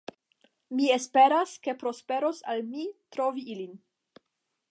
Mi esperas, ke prosperos al mi trovi ilin.